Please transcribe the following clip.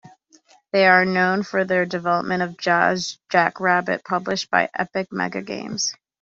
They are known for their development of Jazz Jackrabbit published by Epic MegaGames.